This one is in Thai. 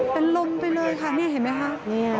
เป็นลมไปเลยค่ะนี่เห็นไหมคะ